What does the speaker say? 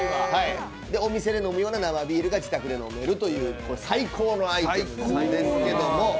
お店で飲むような生ビールが自宅で飲めるという最高のアイテムですけども。